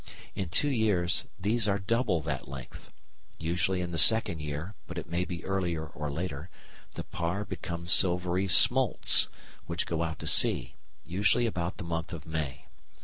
In two years these are double that length. Usually in the second year, but it may be earlier or later, the parr become silvery smolts, which go out to sea, usually about the month of May.